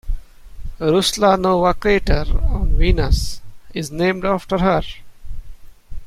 Ruslanova crater on Venus is named after her.